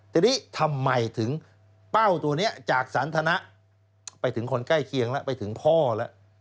ทีนี้ทำไมถึงเป้าตัวนี้จากสันทนะไปถึงคนใกล้เคียงแล้วไปถึงพ่อแล้ว